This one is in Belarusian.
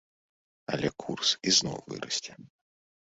Але курс ізноў вырасце.